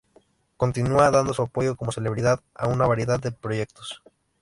Continúa dando su apoyo como celebridad a una variedad de proyectos.